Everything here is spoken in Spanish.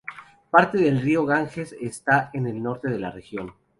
Parte del río Ganges está en el norte de la región.